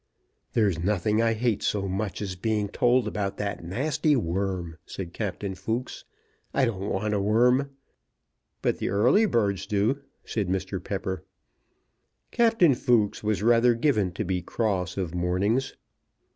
"There's nothing I hate so much as being told about that nasty worm," said Captain Fooks. "I don't want a worm." "But the early birds do," said Mr. Pepper. Captain Fooks was rather given to be cross of mornings.